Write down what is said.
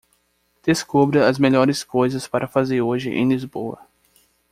Descubra as melhores coisas para fazer hoje em Lisboa.